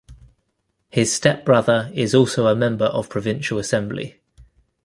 His step brother is also a member of provincial assembly.